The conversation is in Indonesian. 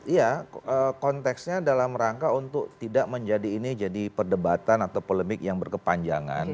iya konteksnya dalam rangka untuk tidak menjadi ini jadi perdebatan atau polemik yang berkepanjangan